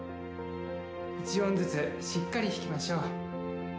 １音ずつしっかり弾きましょう。